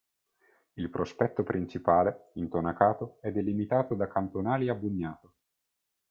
Il prospetto principale, intonacato, è delimitato da cantonali a bugnato.